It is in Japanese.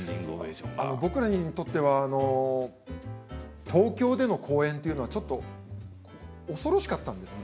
僕らにとっては東京での公演というのはちょっと恐ろしかったです。